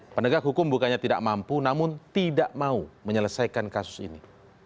penegak hukum bukannya tidak mampu namun tidak mau menyelesaikan kasus ini